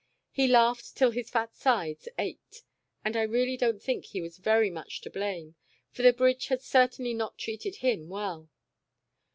He laughed till his fat sides ached, and I really don't think he was very much to blame, for the bridge had certainly not treated him well.